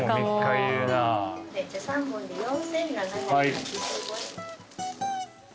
３本で４，７８５円。